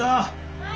・はい。